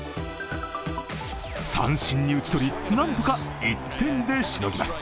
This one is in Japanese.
三振に打ち取り、なんとか１点でしのぎます。